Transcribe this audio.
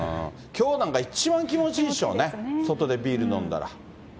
きょうなんか一番気持ちいいでしょうね、外でビール飲んだら。